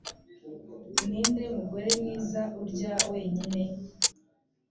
Ninde mugore mwiza urya wenyine?